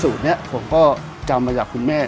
นี้ผมก็จำมาจากคุณแม่